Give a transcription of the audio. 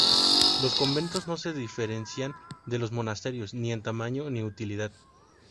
Los conventos no se diferencian de los monasterios ni en tamaño ni utilidad.